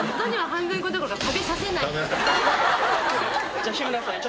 じゃあ日村さんより。